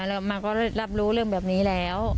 แล้วมาก็รับรู้เรื่องแบบนี้แล้ว